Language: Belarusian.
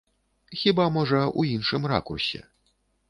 Хіба, можа, у іншым ракурсе.